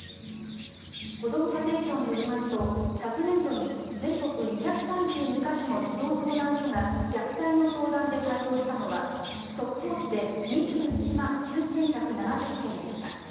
こども家庭庁によりますと昨年度に全国２３２か所の児童相談所が虐待の相談で対応したのは速報値で２１万９１７０件でした。